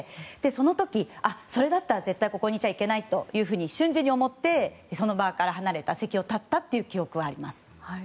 その時、それだったら絶対ここにいちゃいけないと瞬時に思ってその場から離れ席を立ったという記憶はあります。